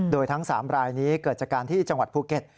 โดยทั้ง๓รายนี้เกิดจากการที่จังหวัดภูเก็ต